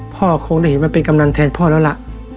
พ่อคงได้เห็นมันเป็นกำลังแทนพ่อแล้วล่ะ